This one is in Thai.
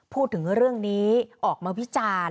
พูดถึงเรื่องนี้ออกมาวิจารณ์